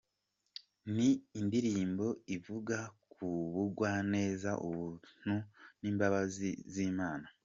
Ni indirimbo ivuga ku bugwaneza, ubuntu n’imbabazi z’Imana.